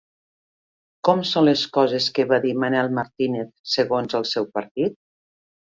Com són les coses que va dir Manel Martínez segons el seu partit?